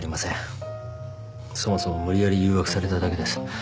そもそも無理やり誘惑されただけです。